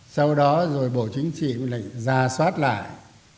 sau đó rồi bộ chính trị rà soát lại